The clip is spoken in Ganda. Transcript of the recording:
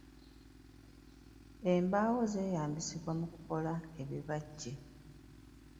Embaawo zeeyambisibwa mu kukola ebibajje.